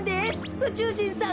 うちゅうじんさん